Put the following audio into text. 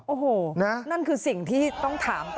โอ้โหนั่นคือสิ่งที่ต้องถามต่อ